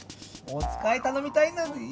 おつかいたのみたいんだぜぇ。